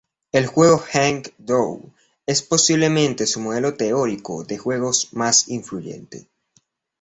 El juego Hawk-Dove es posiblemente su modelo teórico de juegos más influyente.